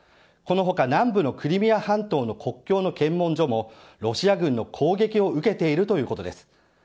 この他、南部のクリミア半島の国境の検問所もロシア軍の攻撃を受けているということです。